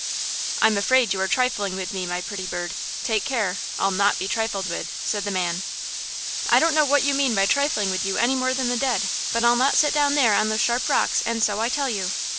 "I am afraid you are trifling with me, my pretty bird. Take care; I'll not be trifled with," said the man. "I don't know what you mean by trifling with you any more than the dead. But I'll not sit down there on those sharp rocks, and so I tell you.